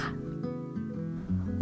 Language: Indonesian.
untuk setiap tungku